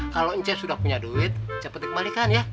kalau ncep sudah punya duit cepet dikembalikan ya